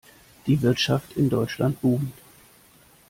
Die Wirtschaft in Deutschland boomt.